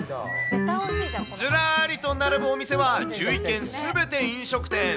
ずらーりと並ぶお店は、１１軒すべて飲食店。